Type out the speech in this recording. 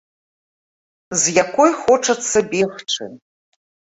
З якой хочацца бегчы.